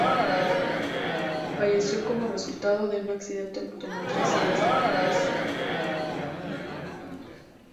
Falleció como resultado de un accidente automotriz en Santa Cruz do Sul.